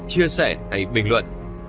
chia sẻ hay bình luận